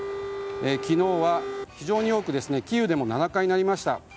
昨日は非常に多くキーウでも７回鳴りました。